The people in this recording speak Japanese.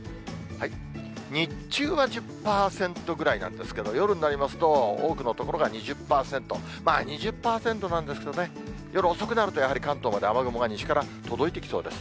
日中は１０％ぐらいなんですけど、夜になりますと、多くの所が２０％、２０％なんですけどね、夜遅くなるとやはり、関東まで雨雲が西から届いてきそうです。